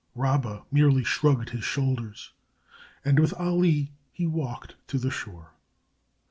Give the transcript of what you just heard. Rabba merely shrugged his shoulders, and with Ali he walked to the shore.